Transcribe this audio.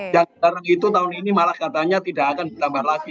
yang sekarang itu tahun ini malah katanya tidak akan bertambah lagi